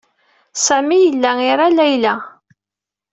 Sami yella ira Layla.